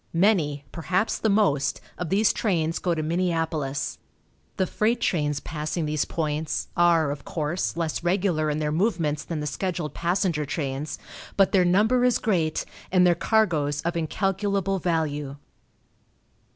Many perhaps the most of these trains go to Minneapolis. The freight trains passing these points are, of course, less regular in their movements than the scheduled passenger trains, but their number is great, and their cargoes of incalculable value.